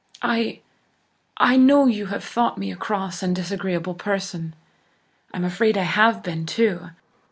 I I know you have thought me a cross and disagreeable person. I'm afraid I have been, too.